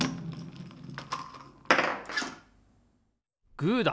グーだ！